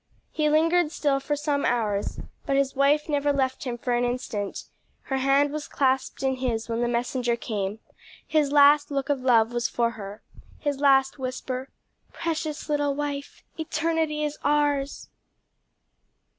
He lingered still for some hours, but his wife never left him for an instant; her hand was clasped in his when the messenger came; his last look of love was for her, his last whisper, "Precious little wife, eternity is ours!"